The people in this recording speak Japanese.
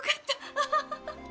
アハハハ。